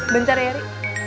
bencara ya ri